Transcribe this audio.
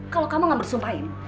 kalau kamu gak bersumpahin